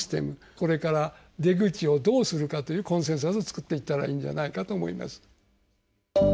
これから出口をどうするかというコンセンサスを作っていったらいいんじゃないかと思います。